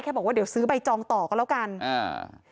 บอกว่าเดี๋ยวซื้อใบจองต่อก็แล้วกันอ่า